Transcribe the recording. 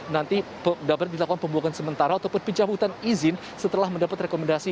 nanti dapat dilakukan pembuatan sementara ataupun pencabutan izin setelah mendapat rekomendasi